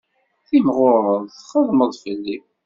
Timɣureḍ txedmeḍ fell-i.